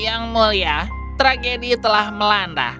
yang mulia tragedi telah melanda